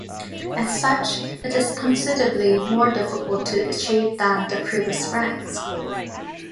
As such, it is considerably more difficult to achieve than the previous ranks.